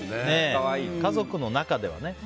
家族の中ではね。